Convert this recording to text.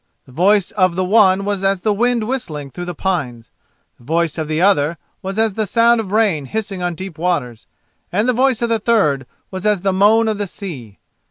The voice of the one was as the wind whistling through the pines; the voice of the other was as the sound of rain hissing on deep waters; and the voice of the third was as the moan of the sea.